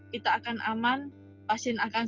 kita akan aman pasien akan